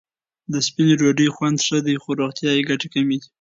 د سپینې ډوډۍ خوند ښه دی، خو روغتیايي ګټې کمې دي.